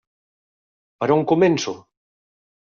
Per on començo?